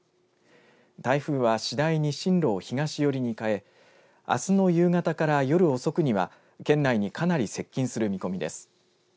台風は次第に進路を東寄りに変えあすの夕方から夜遅くには県内にかなり接近する見込みです。